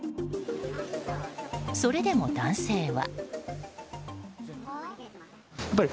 それでも男性は。